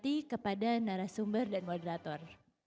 terima kasih kepada narasumber dan moderator